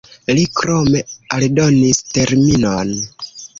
Li krome aldonis terminon.